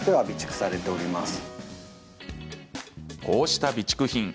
こうした備蓄品